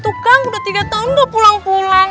aku sudah tiga tahun tidak pulang pulang